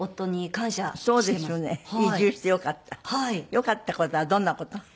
よかった事はどんな事？